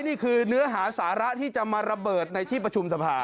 นี่คือเนื้อหาสาระที่จะมาระเบิดในที่ประชุมสภา